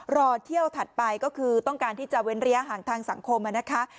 รอเที่ยวถัดไปก็คือต้องการที่จะเว้นระยะห่างทางสังคมนะคะ